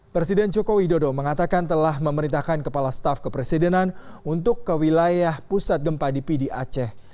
presiden joko widodo mengatakan telah memerintahkan kepala staf kepresidenan untuk ke wilayah pusat gempa di pdi aceh